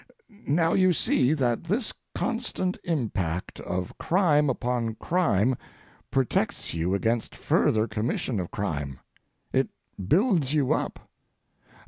Now you see that this constant impact of crime upon crime protects you against further commission of crime. It builds you up.